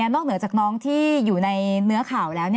เหนือจากน้องที่อยู่ในเนื้อข่าวแล้ว